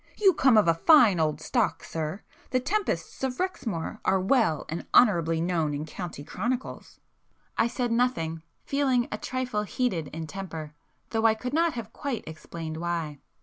You come of a fine old stock, sir!—the Tempests of Rexmoor are well and honourably known in county chronicles." I said nothing, feeling a trifle heated in temper, though I could not have quite explained why.